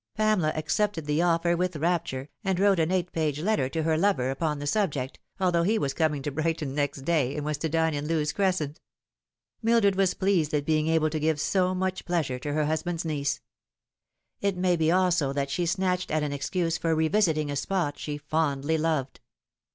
Pamela accepted the offer with rapture, and wrote an eight page letter to her lover upon the subject, although he was coming to Brighton next day, and was to dine in Lewes Cres cent. Mildred was pleased at being able to give so much plea sure to her husband's niece. It may be also that she snatched at an excuse for revisiting a spot she fondly loved.